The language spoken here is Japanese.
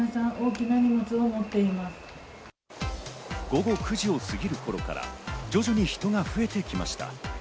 午後９時をすぎる頃から徐々に人が増えてきました。